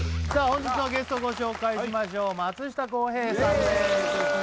本日のゲストご紹介しましょう松下洸平さんです